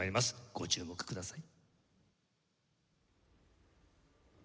ご注目ください。